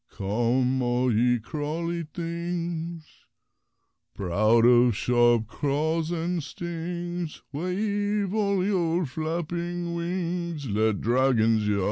Come, all ye crawly things, Proud of sharp claws and stings, Wave all your flapping wings, Let Dragons yowl !